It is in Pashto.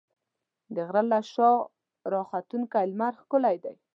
د غره له شا راختونکی لمر ښکلی دی.